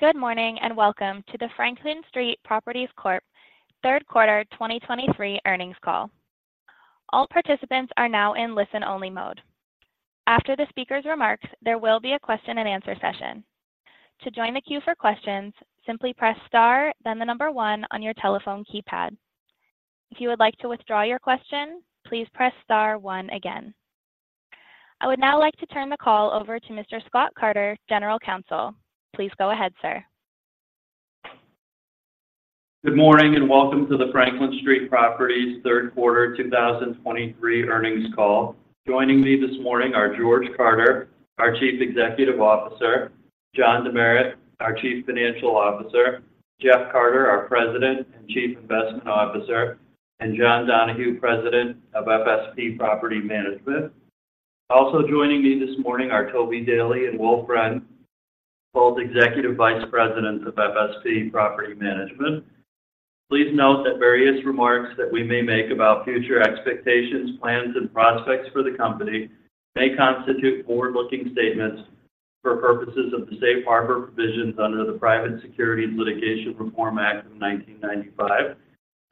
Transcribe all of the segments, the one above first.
Good morning, and welcome to the Franklin Street Properties Corp. Third Quarter 2023 Earnings Call. All participants are now in listen-only mode. After the speaker's remarks, there will be a question-and-answer session. To join the queue for questions, simply press Star, then the number 1 on your telephone keypad. If you would like to withdraw your question, please press Star 1 again. I would now like to turn the call over to Mr. Scott Carter, General Counsel. Please go ahead, sir. Good morning, and welcome to the Franklin Street Properties Third Quarter 2023 Earnings Call. Joining me this morning are George Carter, our Chief Executive Officer; John Demeritt, our Chief Financial Officer; Jeff Carter, our President and Chief Investment Officer; and John Donahue, President of FSP Property Management. Also joining me this morning are Toby Daley and Will Friend, both Executive Vice Presidents of FSP Property Management. Please note that various remarks that we may make about future expectations, plans, and prospects for the company may constitute forward-looking statements for purposes of the safe harbor provisions under the Private Securities Litigation Reform Act of 1995.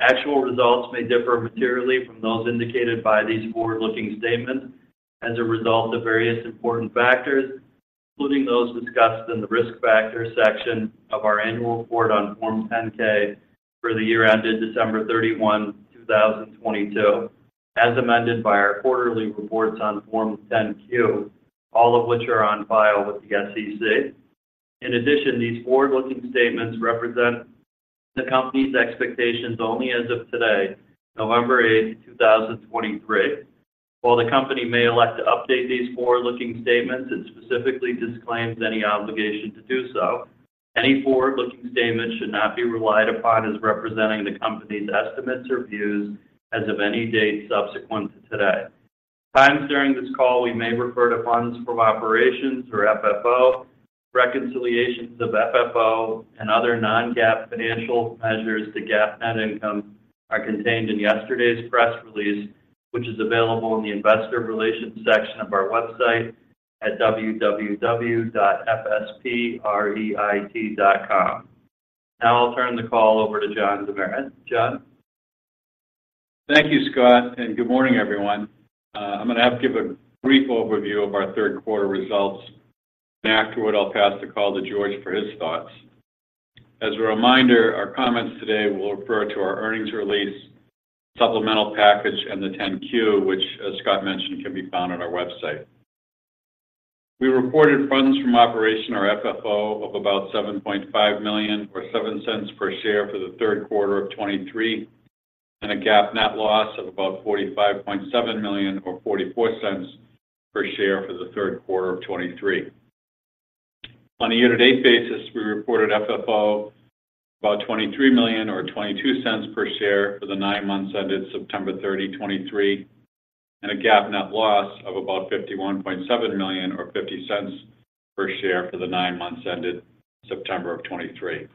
Actual results may differ materially from those indicated by these forward-looking statements as a result of various important factors, including those discussed in the Risk Factors section of our annual report on Form 10-K for the year ended December 31, 2022, as amended by our quarterly reports on Form 10-Q, all of which are on file with the SEC. In addition, these forward-looking statements represent the Company's expectations only as of today, November 8, 2023. While the Company may elect to update these forward-looking statements, it specifically disclaims any obligation to do so. Any forward-looking statements should not be relied upon as representing the Company's estimates or views as of any date subsequent to today. At times during this call, we may refer to funds from operations or FFO. Reconciliations of FFO and other non-GAAP financial measures to GAAP net income are contained in yesterday's press release, which is available in the Investor Relations section of our website at www.fspreit.com. Now I'll turn the call over to John Demeritt. John? Thank you, Scott, and good morning, everyone. I'm going to have to give a brief overview of our third quarter results, and afterward, I'll pass the call to George for his thoughts. As a reminder, our comments today will refer to our earnings release, supplemental package, and the 10-Q, which, as Scott mentioned, can be found on our website. We reported funds from operations or FFO of about $7.5 million, or 0.7 per share for the third quarter of 2023, and a GAAP net loss of about $45.7 million, or 0.44 per share for the third quarter of 2023. On a year-to-date basis, we reported FFO about $23 million, or $0.22 per share for the nine months ended September 30, 2023, and a GAAP net loss of about $51.7 million, or $0.50 per share for the nine months ended September 30, 2023.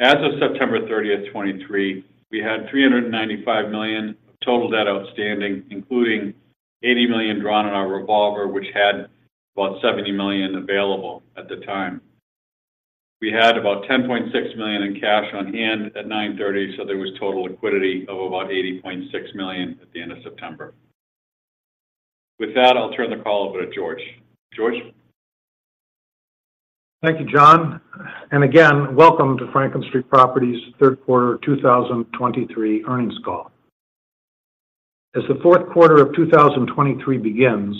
As of September 30, 2023, we had $395 million of total debt outstanding, including $80 million drawn in our revolver, which had about $70 million available at the time. We had about $10.6 million in cash on hand at 9/30, so there was total liquidity of about $80.6 million at the end of September. With that, I'll turn the call over to George. George? Thank you, John, and again, welcome to Franklin Street Properties third quarter 2023 earnings call. As the fourth quarter of 2023 begins,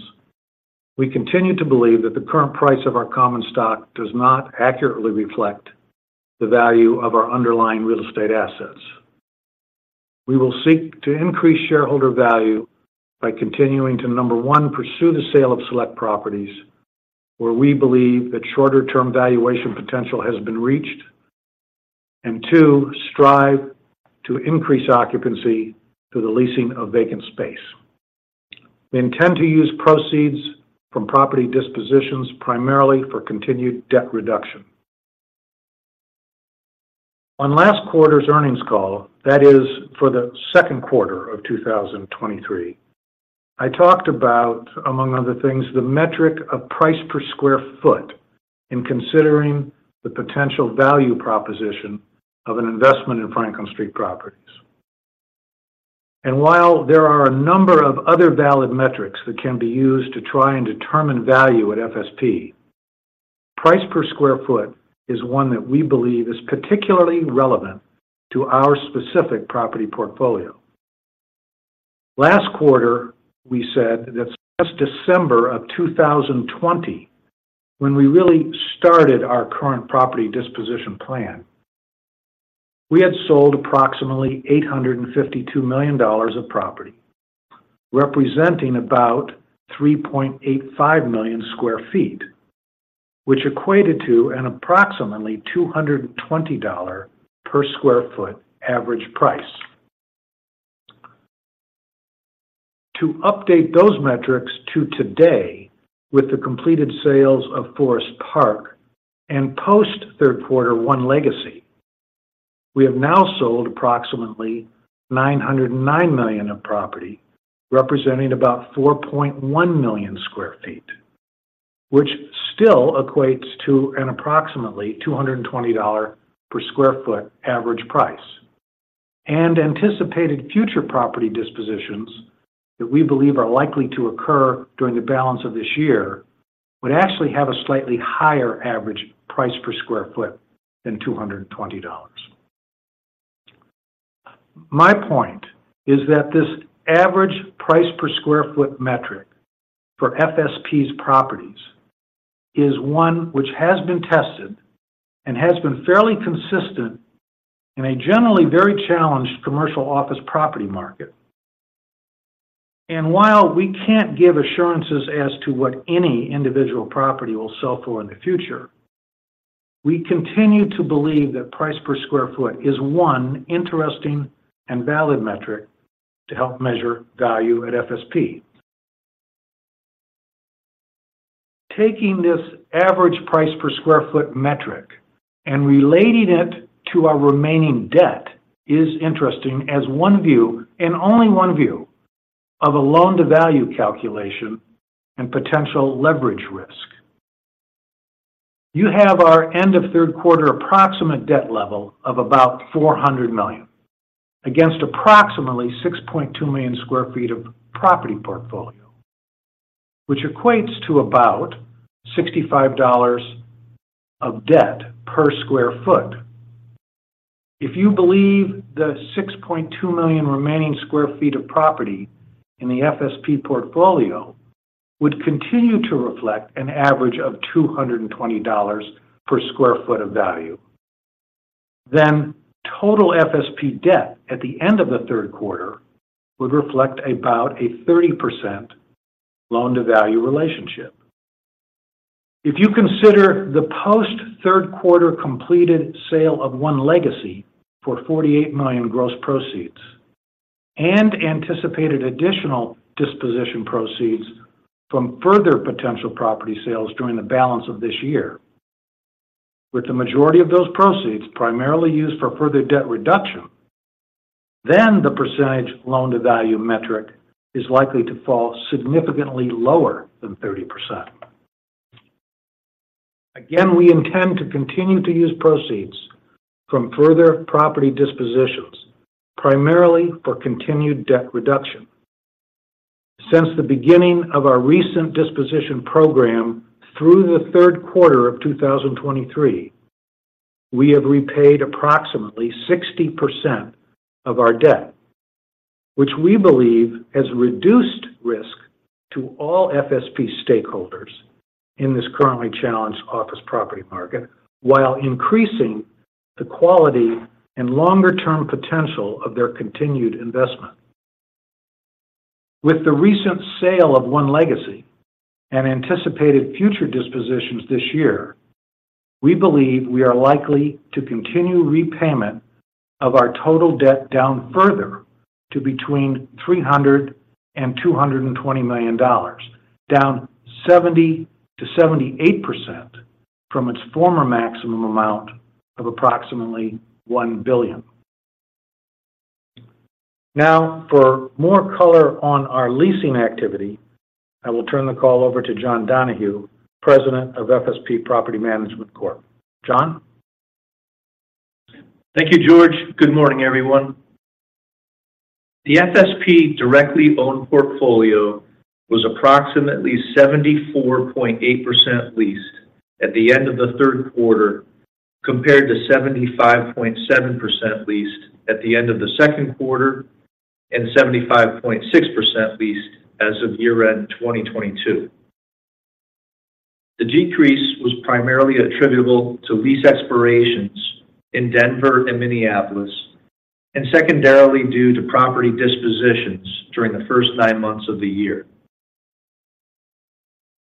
we continue to believe that the current price of our common stock does not accurately reflect the value of our underlying real estate assets. We will seek to increase shareholder value by continuing to, number one, pursue the sale of select properties, where we believe that shorter-term valuation potential has been reached. And two, strive to increase occupancy through the leasing of vacant space. We intend to use proceeds from property dispositions primarily for continued debt reduction. On last quarter's earnings call, that is, for the second quarter of 2023, I talked about, among other things, the metric of price per square foot in considering the potential value proposition of an investment in Franklin Street Properties. While there are a number of other valid metrics that can be used to try and determine value at FSP, price per square foot is one that we believe is particularly relevant to our specific property portfolio. Last quarter, we said that last December 2020, when we really started our current property disposition plan, we had sold approximately $852 million of property, representing about 3.85 million sq ft, which equated to an approximately $220 per sq ft average price. To update those metrics to today with the completed sales of Forest Park and post-third quarter One Legacy Circle. We have now sold approximately $909 million of property, representing about 4.1 million sq ft, which still equates to an approximately $220 per sq ft average price. Anticipated future property dispositions that we believe are likely to occur during the balance of this year would actually have a slightly higher average price per square foot than $220. My point is that this average price per square foot metric for FSP's properties is one which has been tested and has been fairly consistent in a generally very challenged commercial office property market. While we can't give assurances as to what any individual property will sell for in the future, we continue to believe that price per square foot is one interesting and valid metric to help measure value at FSP. Taking this average price per square foot metric and relating it to our remaining debt is interesting as one view, and only one view, of a loan-to-value calculation and potential leverage risk. You have our end of third quarter approximate debt level of about $400 million, against approximately 6.2 million sq ft of property portfolio, which equates to about $65 of debt per sq ft. If you believe the 6.2 million remaining sq ft of property in the FSP portfolio would continue to reflect an average of $220 per sq ft of value, then total FSP debt at the end of the third quarter would reflect about a 30% loan-to-value relationship. If you consider the post-third quarter completed sale of One Legacy for $48 million gross proceeds, and anticipated additional disposition proceeds from further potential property sales during the balance of this year, with the majority of those proceeds primarily used for further debt reduction, then the percentage loan-to-value metric is likely to fall significantly lower than 30%. Again, we intend to continue to use proceeds from further property dispositions, primarily for continued debt reduction. Since the beginning of our recent disposition program through the third quarter of 2023, we have repaid approximately 60% of our debt, which we believe has reduced risk to all FSP stakeholders in this currently challenged office property market, while increasing the quality and longer-term potential of their continued investment. With the recent sale of One Legacy and anticipated future dispositions this year, we believe we are likely to continue repayment of our total debt down further to between $300 million and $220 million, down 70%-78% from its former maximum amount of approximately $1 billion. Now, for more color on our leasing activity, I will turn the call over to John Donahue, President of FSP Property Management LLC. John? Thank you, George. Good morning, everyone. The FSP directly owned portfolio was approximately 74.8% leased at the end of the third quarter, compared to 75.7% leased at the end of the second quarter and 75.6% leased as of year-end 2022. The decrease was primarily attributable to lease expirations in Denver and Minneapolis, and secondarily due to property dispositions during the first nine months of the year.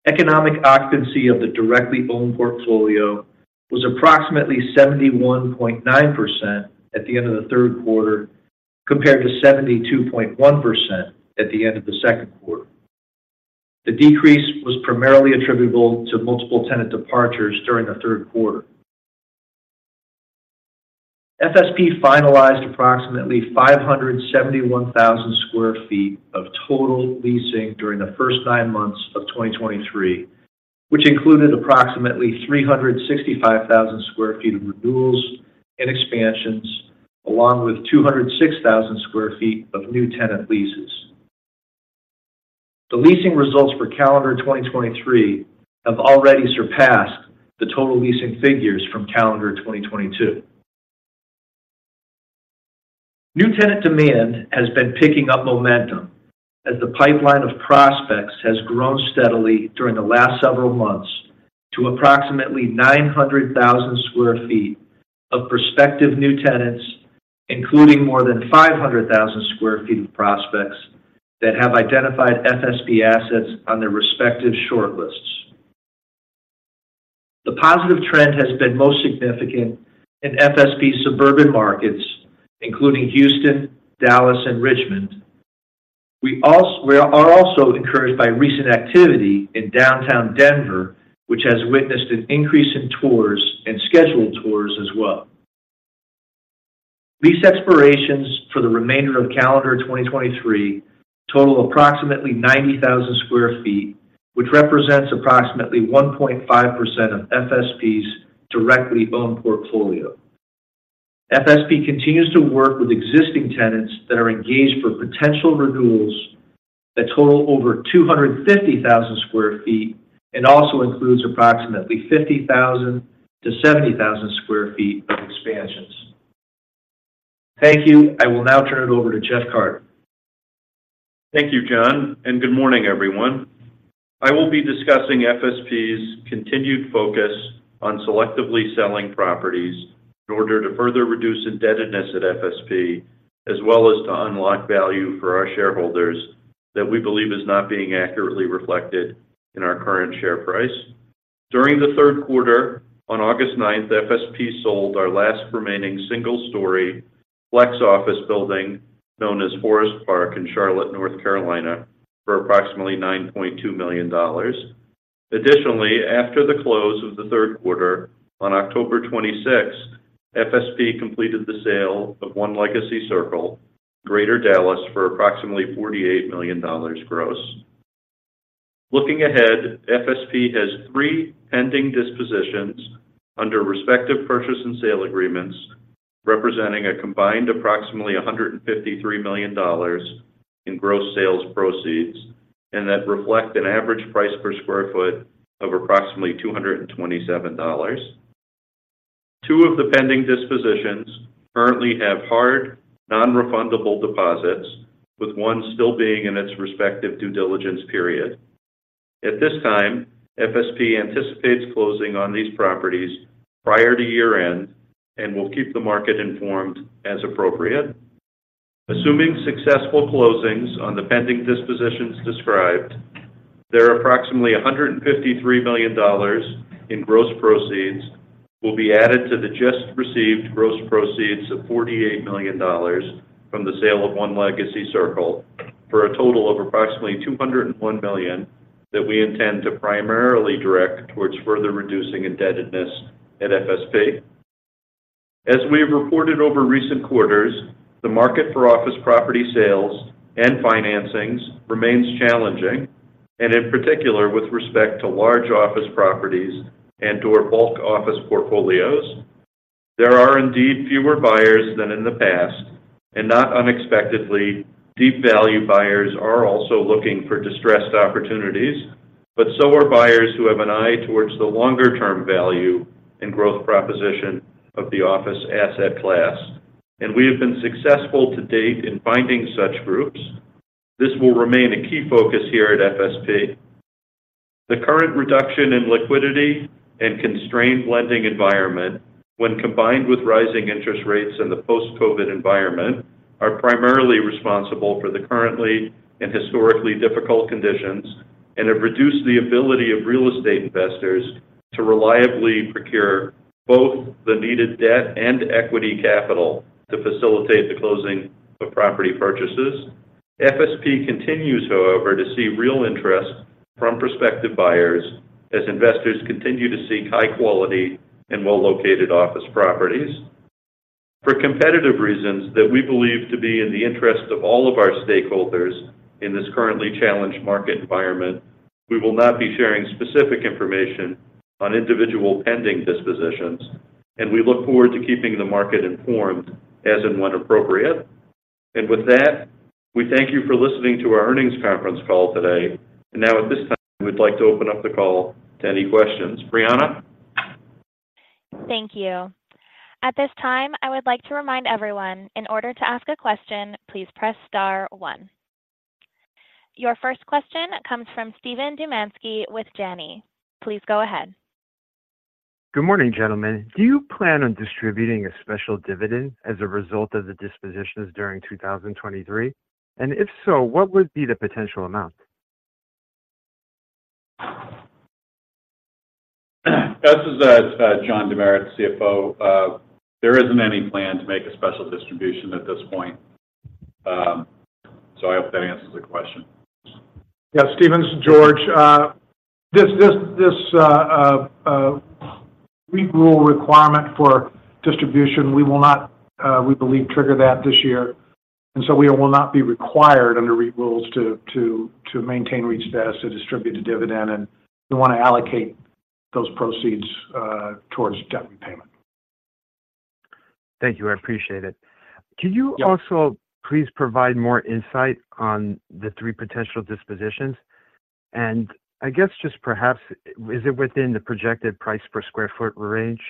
Economic occupancy of the directly owned portfolio was approximately 71.9% at the end of the third quarter, compared to 72.1% at the end of the second quarter. The decrease was primarily attributable to multiple tenant departures during the third quarter. FSP finalized approximately 571,000 sq ft of total leasing during the first nine months of 2023, which included approximately 365,000 sq ft of renewals and expansions, along with 206,000 sq ft of new tenant leases. The leasing results for calendar 2023 have already surpassed the total leasing figures from calendar 2022. New tenant demand has been picking up momentum as the pipeline of prospects has grown steadily during the last several months to approximately 900,000 sq ft of prospective new tenants, including more than 500,000 sq ft of prospects that have identified FSP assets on their respective shortlists. The positive trend has been most significant in FSP suburban markets, including Houston, Dallas, and Richmond. We are also encouraged by recent activity in downtown Denver, which has witnessed an increase in tours and scheduled tours as well. Lease expirations for the remainder of calendar 2023 total approximately 90,000 sq ft, which represents approximately 1.5% of FSP's directly owned portfolio. FSP continues to work with existing tenants that are engaged for potential renewals that total over 250,000 sq ft, and also includes approximately 50,000-70,000 sq ft of expansions. Thank you. I will now turn it over to Jeff Carter. Thank you, John, and good morning, everyone. I will be discussing FSP's continued focus on selectively selling properties in order to further reduce indebtedness at FSP, as well as to unlock value for our shareholders that we believe is not being accurately reflected in our current share price. During the third quarter, on August 9, FSP sold our last remaining single-story flex office building, known as Forest Park in Charlotte, North Carolina, for approximately $9.2 million. Additionally, after the close of the third quarter on October 26, FSP completed the sale of One Legacy Circle, Greater Dallas, for approximately $48 million gross. Looking ahead, FSP has three pending dispositions under respective purchase and sale agreements, representing a combined approximately a hundred and $53 million in gross sales proceeds, and that reflect an average price per sq ft of approximately $227. Two of the pending dispositions currently have hard, non-refundable deposits, with one still being in its respective due diligence period. At this time, FSP anticipates closing on these properties prior to year-end and will keep the market informed as appropriate. Assuming successful closings on the pending dispositions described, there are approximately $153 million in gross proceeds will be added to the just received gross proceeds of $48 million from the sale of One Legacy Circle, for a total of approximately $201 million, that we intend to primarily direct towards further reducing indebtedness at FSP. As we have reported over recent quarters, the market for office property sales and financings remains challenging, and in particular, with respect to large office properties and or bulk office portfolios. There are indeed fewer buyers than in the past, and not unexpectedly, deep value buyers are also looking for distressed opportunities, but so are buyers who have an eye towards the longer-term value and growth proposition of the office asset class. We have been successful to date in finding such groups. This will remain a key focus here at FSP. The current reduction in liquidity and constrained lending environment, when combined with rising interest rates in the post-COVID environment, are primarily responsible for the currently and historically difficult conditions, and have reduced the ability of real estate investors to reliably procure both the needed debt and equity capital to facilitate the closing of property purchases. FSP continues, however, to see real interest from prospective buyers as investors continue to seek high-quality and well-located office properties. For competitive reasons that we believe to be in the interest of all of our stakeholders in this currently challenged market environment, we will not be sharing specific information on individual pending dispositions, and we look forward to keeping the market informed as and when appropriate. With that, we thank you for listening to our earnings conference call today. Now, at this time, we'd like to open up the call to any questions. Brianna? Thank you. At this time, I would like to remind everyone, in order to ask a question, please press star one. Your first question comes from Steven Dumansky with Janney. Please go ahead. Good morning, gentlemen. Do you plan on distributing a special dividend as a result of the dispositions during 2023? If so, what would be the potential amount? This is John Demeritt, CFO. There isn't any plan to make a special distribution at this point. So I hope that answers the question. Yeah. Steven, it's George. This REIT rule requirement for distribution, we will not, we believe, trigger that this year, and so we will not be required under REIT rules to maintain REIT status to distribute a dividend, and we want to allocate those proceeds towards debt repayment. Thank you. I appreciate it. Yep. Can you also please provide more insight on the three potential dispositions? And I guess, just perhaps, is it within the projected price per square foot range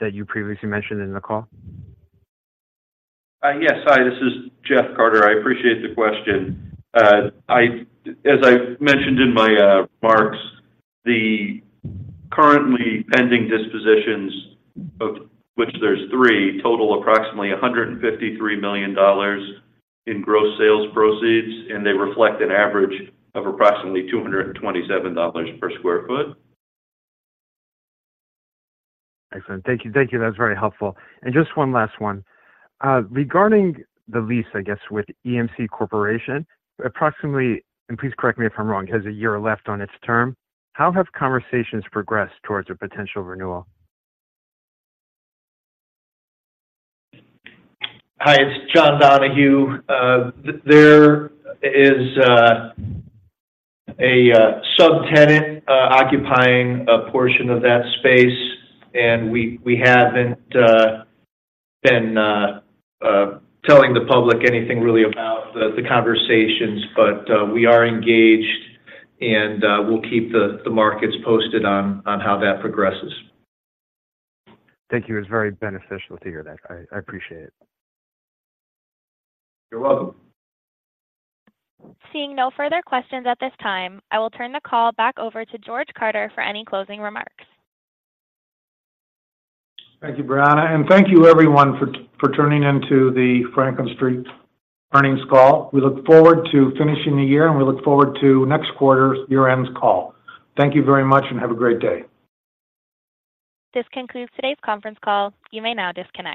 that you previously mentioned in the call? Yes. Hi, this is Jeff Carter. I appreciate the question. As I've mentioned in my remarks, the currently pending dispositions, of which there's three, total approximately $153 million in gross sales proceeds, and they reflect an average of approximately $227 per sq ft. Excellent. Thank you. Thank you. That's very helpful. And just one last one. Regarding the lease, I guess, with EMC Corporation, approximately, and please correct me if I'm wrong, has a year left on its term. How have conversations progressed towards a potential renewal? Hi, it's John Donahue. There is a subtenant occupying a portion of that space, and we haven't been telling the public anything really about the conversations, but we are engaged, and we'll keep the markets posted on how that progresses. Thank you. It's very beneficial to hear that. I appreciate it. You're welcome. Seeing no further questions at this time, I will turn the call back over to George Carter for any closing remarks. Thank you, Brianna, and thank you everyone for, for tuning in to the Franklin Street Earnings Call. We look forward to finishing the year, and we look forward to next quarter's year-end call. Thank you very much, and have a great day. This concludes today's conference call. You may now disconnect.